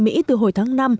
mỹ từ hồi tháng chín